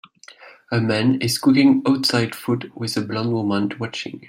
A man is cooking outside food with a blond woman watching.